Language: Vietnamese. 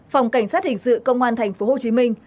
phòng cảnh sát hình sự công an thành phố hồ chí minh